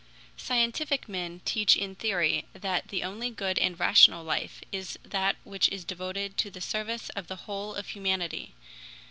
Scientific men teach in theory that the only good and rational life is that which is devoted to the service of the whole of humanity.